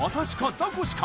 ザコシか？